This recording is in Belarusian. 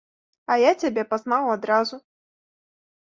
А я цябе пазнаў адразу.